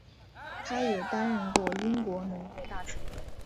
他也担任过英国农业大臣。